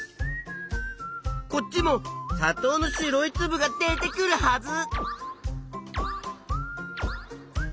こっちもさとうの白いつぶが出てくるはず！